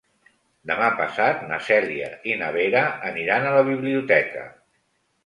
Demà passat na Cèlia i na Vera aniran a la biblioteca.